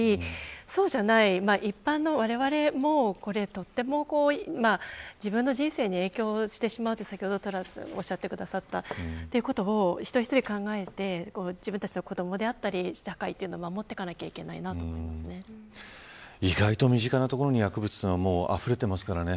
そうじゃない一般のわれわれも自分の人生に影響してしまうと先ほどトラウデンさんがおっしゃってくださったことを一人一人考えて自分たちの子どもであったり社会を守っていかなければ意外と身近なところに薬物というのはあふれていますからね。